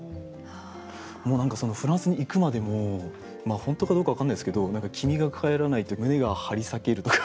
もう何かそのフランスに行くまでも本当かどうか分からないですけど君が帰らないと胸が張り裂けるとか。